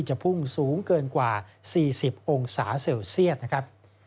พุ่งสูงเกินกว่า๔๐องศาเซลเซียตนะครับ